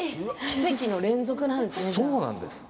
奇跡の連続なんですね。